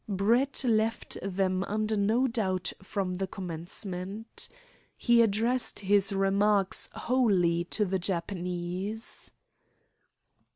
Brett left them under no doubt from the commencement. He addressed his remarks wholly to the Japanese.